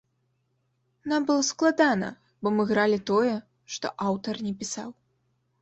Нам было складана, бо мы гралі тое, што аўтар не пісаў.